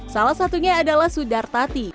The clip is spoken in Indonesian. salah satunya adalah sudar tati